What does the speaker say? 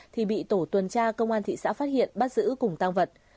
thì bị tổ tuần tra công an thị xã phát hiện bắt giữ cùng tăng vật